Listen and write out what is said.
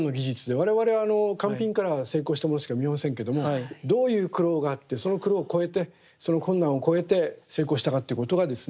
我々は完品からは成功したものしか見えませんけどもどういう苦労があってその苦労を越えてその困難を越えて成功したかっていうことがですね